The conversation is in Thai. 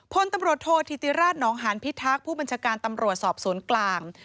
พลตำรวจโทษธิติราชนองหานพิทักษ์ผู้บัญชาการตำรวจสอบสวนกลาง